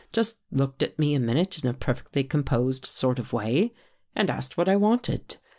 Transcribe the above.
Just looked at me a minute in a perfectly composed sort of way and asked what I wanted.